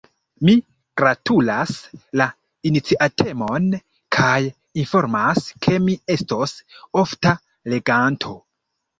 Mi gratulas la iniciatemon, kaj informas ke mi estos ofta leganto.